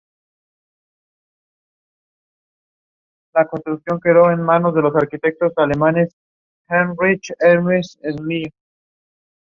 El árbol se expande de forma irregular, y se compone de ramas verdes.